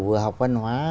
vừa học văn hóa